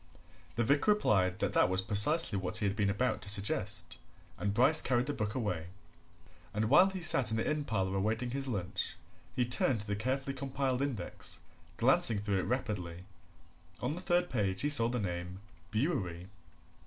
The vicar replied that that was precisely what he had been about to suggest, and Bryce carried the book away. And while he sat in the inn parlour awaiting his lunch, he turned to the carefully compiled index, glancing it through rapidly. On the third page he saw the name Bewery.